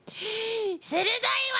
鋭いわ！